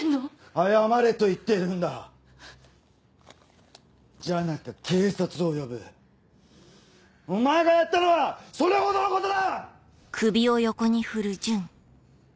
謝れと言っているんだじゃなきゃ警察を呼ぶお前がやったのはそれほどのことだ‼